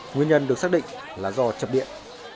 nguyên nhân được xác định là do chập điện